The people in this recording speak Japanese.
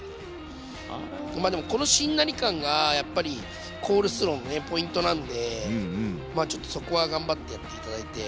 でもこのしんなり感がやっぱりコールスローのねポイントなんでちょっとそこは頑張ってやって頂いて。